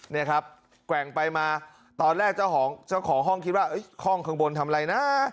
นี่ครับแกว่งไปมาตอนแรกเจ้าของเจ้าของห้องคิดว่าห้องข้างบนทำอะไรนะ